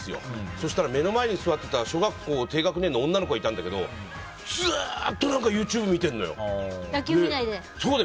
そうしたら目の前に座っていた小学校低学年の女の子がいたんだけどずーっとＹｏｕＴｕｂｅ見てるのよ。